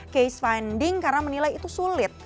case finding karena menilai itu sulit